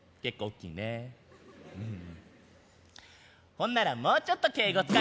ほんならもうちょっと敬語使えたら。